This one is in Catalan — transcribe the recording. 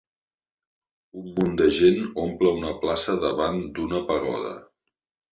Un munt de gent omple una plaça davant d'una pagoda.